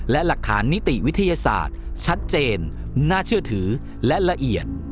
และหลักฐานนิติวิทยาศาสตร์ชัดเจนน่าเชื่อถือและละเอียด